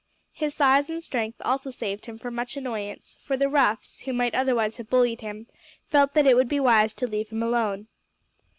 His size and strength also saved him from much annoyance, for the roughs, who might otherwise have bullied him, felt that it would be wise to leave him alone.